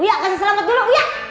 uya kasih selamat dulu uya